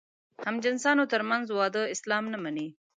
همجنسانو تر منځ واده اسلام نه مني.